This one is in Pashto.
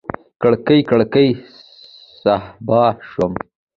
کړۍ، کړۍ صهبا شوم